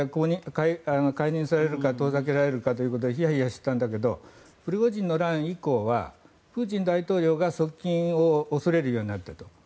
解任されるか遠ざけられるかということでヒヤヒヤしたんだけどプリゴジンンの乱以降はプーチン大統領が側近を恐れるようになったと。